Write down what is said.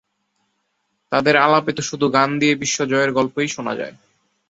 তাঁদের আলাপে তো শুধু গান দিয়ে বিশ্ব জয়ের গল্পই শোনা যায়।